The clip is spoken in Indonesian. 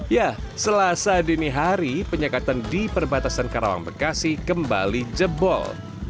ya selasa dini hari penyekatan di perbatasan karawang bekasi kembali jebol